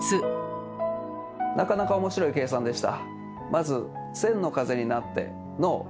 なかなか面白い計算でした。